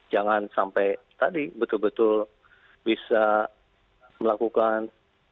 jangan sampai tadi betul betul bisa melakukan